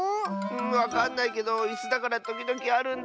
わかんないけどいすだからときどきあるんだ。